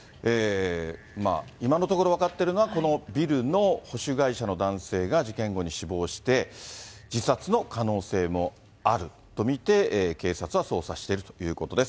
今のところ分かっているのは、このビルの保守会社の男性が事件後に死亡して、自殺の可能性もあると見て、警察は捜査しているということです。